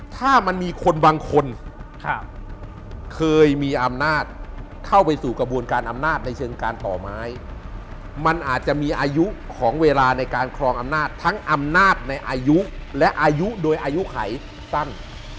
ถ้ามันมีคนบางคนเคยมีอำนาจเข้าไปสู่กระบวนการอำนาจในเชิงการต่อไม้มันอาจจะมีอายุของเวลาในการครองอำนาจทั้งอำนาจในอายุและอายุโดยอายุไขสั้น